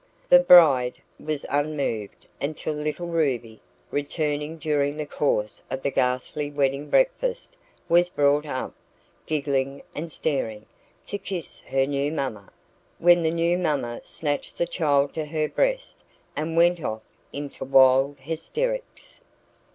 The bride was unmoved until little Ruby, returning during the course of the ghastly wedding breakfast, was brought up, giggling and staring, to "kiss her new mamma", when the new mamma snatched the child to her breast, and went off into wild hysterics.